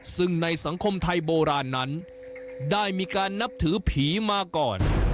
ซึ่งในสังคมไทยโบราณนั้นได้มีการนับถือผีมาก่อน